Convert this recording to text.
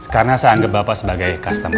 karena saya anggap bapak sebagai customer